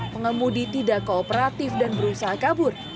pengemudi tidak kooperatif dan berusaha kabur